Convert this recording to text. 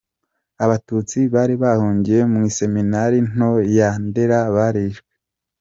Abatutsi bari bahungiye mu iseminari nto ya Ndera barishwe.